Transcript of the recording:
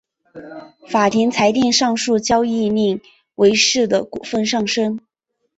法院裁定上述交易令伟仕的股价上升。